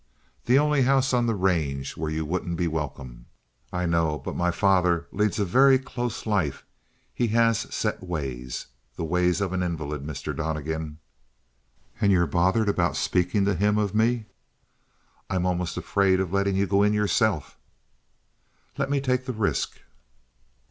The only house on the range where you wouldn't be welcome, I know. But my father leads a very close life; he has set ways. The ways of an invalid, Mr. Donnegan." "And you're bothered about speaking to him of me?" "I'm almost afraid of letting you go in yourself." "Let me take the risk."